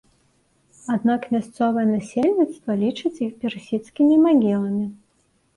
Аднак мясцовае насельніцтва лічыць іх персідскімі магіламі.